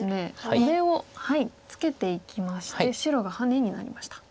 上をツケていきまして白がハネになりました。